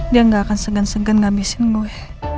dia gak akan segan segan gabisin gue